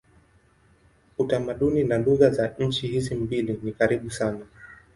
Utamaduni na lugha za nchi hizi mbili ni karibu sana.